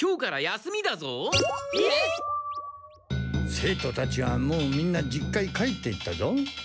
生徒たちはもうみんな実家へ帰っていったぞ。